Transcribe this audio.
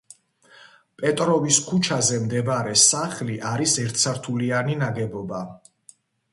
პეტროვის ქუჩაზე მდებარე სახლი არის ერთსართულიანი ნაგებობა.